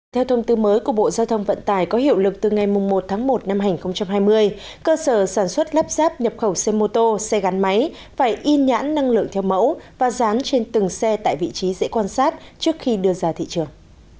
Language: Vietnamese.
theo thông tư mới của bộ giao thông vận tải có hiệu lực từ ngày một tháng một năm hai nghìn hai mươi cơ sở sản xuất lắp ráp nhập khẩu xe mô tô xe gắn máy phải in nhãn năng lượng theo mẫu và dán trên từng xe tại vị trí dễ quan sát trước khi đưa ra thị trường